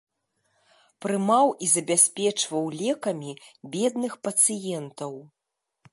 Прымаў і забяспечваў лекамі бедных пацыентаў.